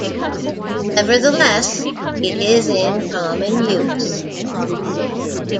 Nevertheless, it is in common use.